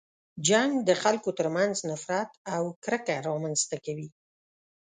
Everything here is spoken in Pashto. جنګ د خلکو تر منځ نفرت او کرکه رامنځته کوي.